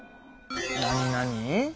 なになに？